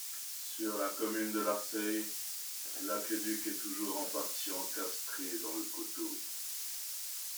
Sur la commune de Larçay, l'aqueduc est toujours en partie encastré dans le coteau.